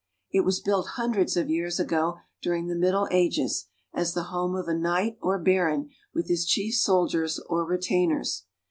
It was built hundreds of years ago, during the Middle Ages, as the home of a knight or baron with his chief soldiers or re tainers.